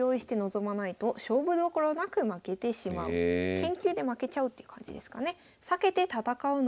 研究で負けちゃうっていう感じですかね。